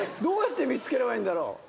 どうやって見つければいいんだろう？